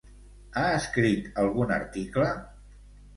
Ha escrit algun article?